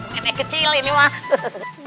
nenek kecil ini mak